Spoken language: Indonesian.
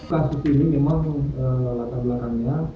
kasus ini memang latar belakangnya